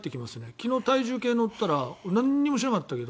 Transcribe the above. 昨日、体重計に乗ったら何もしなかったけど。